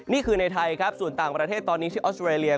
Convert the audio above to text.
นี่คือในไทยครับส่วนต่างประเทศตอนนี้ชื่อออสเตรเลีย